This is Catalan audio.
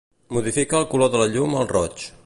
Modifica el color de la llum al roig.